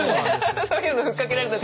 そういうの吹っかけられた時の。